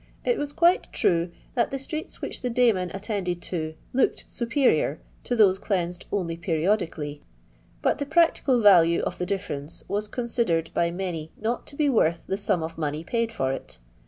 It was quite true that the streets which the daymen attended to, looixd su perior to those cleansed only periodically, but the practical ralue of the difference was consi dered by many not to be worth the sum of mone^ paid for it.